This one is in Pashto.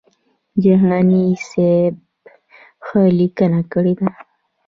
جهاني سیب ښه لیکنه کړې ده.